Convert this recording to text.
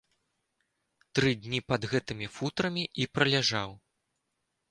Тры дні пад гэтымі футрамі і праляжаў.